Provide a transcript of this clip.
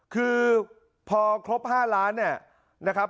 คือพอครบ๕ล้านเนี่ยนะครับ